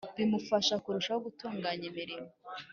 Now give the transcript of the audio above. bimufasha kurushaho gutunganya imirimo